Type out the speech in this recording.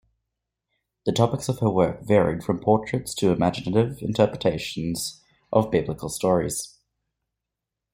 The topics of her work varied from portraits to imaginative interpretations of biblical stories.